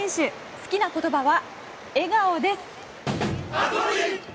好きな言葉は笑顔です。